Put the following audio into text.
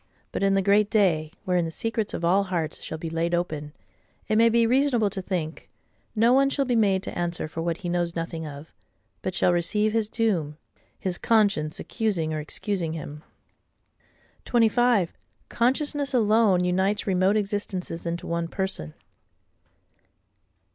But in the Great Day, wherein the secrets of all hearts shall be laid open, it may be reasonable to think, no one shall be made to answer for what he knows nothing of; but shall receive his doom, his conscience accusing or excusing him. 25. Consciousness alone unites remote existences into one Person.